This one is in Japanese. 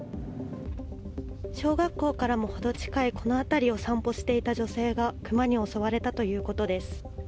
小学校からも程近いこの辺りを散歩していた女性がクマに襲われたということです。